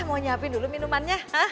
mau nyiapin dulu minumannya